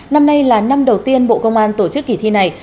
năm nay là năm đầu tiên bộ công an tổ chức kỳ thi này